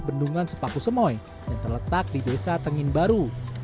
bendungan sepaku semoy yang terletak di desa tengin baru